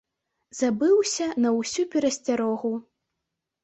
Забыўся на ўсю перасцярогу.